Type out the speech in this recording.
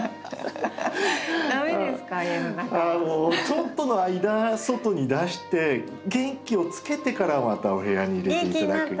ちょっとの間外に出して元気をつけてからまたお部屋に入れて頂く。